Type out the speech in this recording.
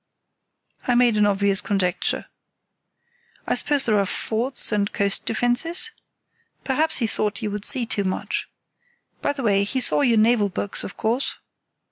I made an obvious conjecture. "I suppose there are forts and coast defences? Perhaps he thought you would see too much. By the way, he saw your naval books, of course?"